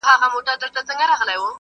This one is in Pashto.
چي د ټولو افغانانو هیله ده!!!!!